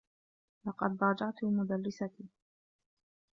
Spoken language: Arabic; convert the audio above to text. لقد ضاجعت مدرّستي.